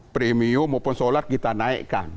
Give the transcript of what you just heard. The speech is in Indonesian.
premium maupun solar kita naikkan